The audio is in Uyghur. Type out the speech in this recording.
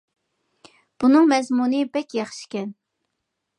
بۇنىڭ مەزمۇنى بەك ياخشىكەن.